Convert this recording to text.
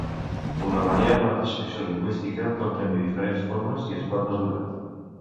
La variable sociolingüística pot tenir diferents formes i es pot mesurar.